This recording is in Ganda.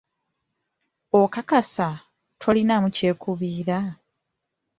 Okakasa, tolinaamu kyekubiira?